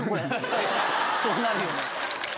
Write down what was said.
そうなるよね。